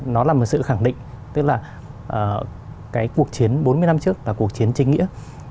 nó là một sự khẳng định tức là cái cuộc chiến bốn mươi năm trước là cuộc chiến chính nghĩa